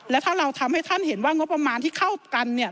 และถ้าเราทำให้ท่านเห็นว่างบประมาณที่เข้ากันเนี่ย